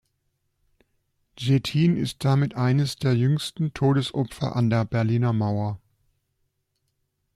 Çetin ist damit eines der jüngsten Todesopfer an der Berliner Mauer.